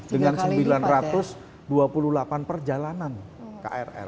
dengan sembilan ratus dua puluh delapan perjalanan krl